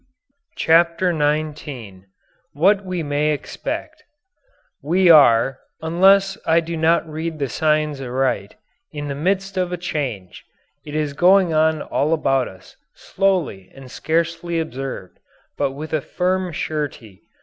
CHAPTER XIX WHAT WE MAY EXPECT We are unless I do not read the signs aright in the midst of a change. It is going on all about us, slowly and scarcely observed, but with a firm surety.